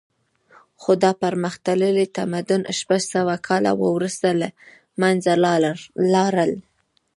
خو دا پرمختللی تمدن شپږ سوه کاله وروسته له منځه لاړ